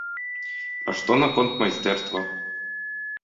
А што наконт майстэрства.